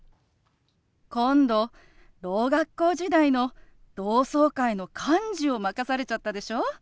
今度ろう学校時代の同窓会の幹事を任されちゃったでしょ？